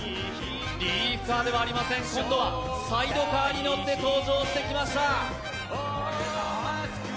リリーフカーではありません、今度はサイドカーに乗って登場してきました。